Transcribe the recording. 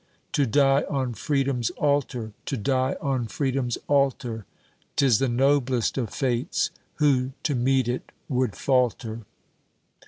To die on Freedom's Altar to die on Freedom's Altar! 'Tis the noblest of fates; who to meet it would falter!